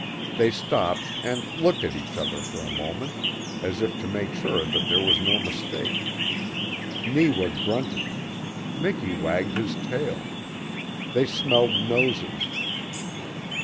They stopped and looked at each other for a moment, as if to make sure that there was no mistake. Neewa grunted. Miki wagged his tail. They smelled noses.